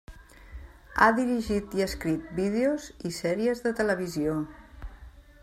Ha dirigit i escrit vídeos i sèries de televisió.